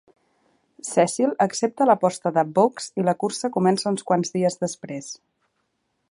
Cecil accepta l'aposta de Bugs, i la cursa comença uns quants dies després.